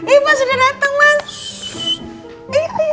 eh mas udah dateng mas